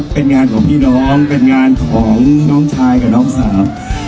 เป็นงานของพี่น้องน้องชายและน้องสาว